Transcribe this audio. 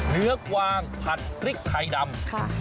เนื้อกวางผัดพริกไทยดำ